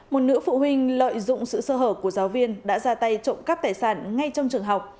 một nữ phụ huynh lợi dụng sự sơ hở của giáo viên đã ra tay trộm cắp tài sản ngay trong trường học